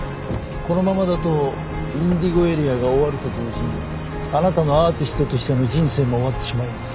このままだとＩｎｄｉｇｏＡＲＥＡが終わると同時にあなたのアーティストとしての人生も終わってしまいます。